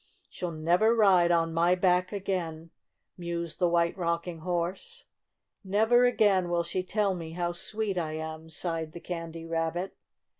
"She'll never ride on my back again," mused the White Rocking Horse. "Never again will she tell me how sweet I am," sighed the Candy Rabbit.